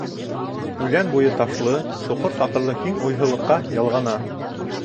Үҙән буйы ташлы, соҡор-саҡырлы киң уйһыулыҡҡа ялғана.